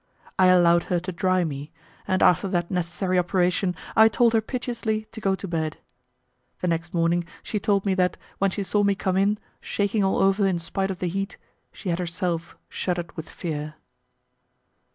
I allowed her to dry me, and after that necessary operation I told her piteously to go to bed. The next morning she told me that, when she saw me come in, shaking all over in spite of the heat, she had herself shuddered with fear.